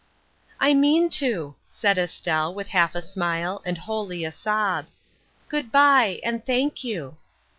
"I mean to," said Estelle, with half a smile, and wholly a sob. " Good by ! and thank you."